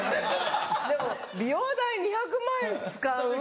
でも美容代２００万円使う？